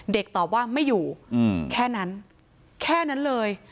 ตอบว่าไม่อยู่แค่นั้นแค่นั้นเลย